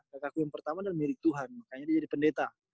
kakakku yang pertama adalah milik tuhan makanya dia jadi pendeta